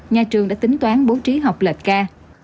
nhà trường đã tính toán bố trí học lệch ca